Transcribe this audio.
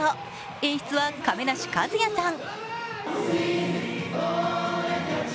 演出は亀梨和也さん。